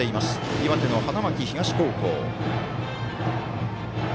岩手の花巻東高校。